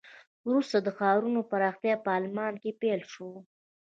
وروسته د ښارونو پراختیا په آلمان کې پیل شوه.